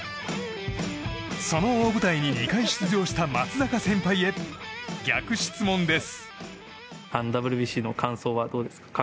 その大舞台に２回出場した松坂先輩へ、逆質問です。